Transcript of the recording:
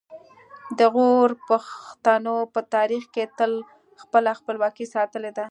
د غور پښتنو په تاریخ کې تل خپله خپلواکي ساتلې ده